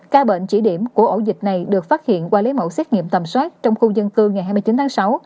ca bệnh chỉ điểm của ổ dịch này được phát hiện qua lấy mẫu xét nghiệm tầm soát trong khu dân cư ngày hai mươi chín tháng sáu